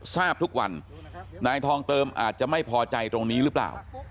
ทราบทุกวันนายทองเติมอาจจะไม่พอใจตรงนี้หรือเปล่า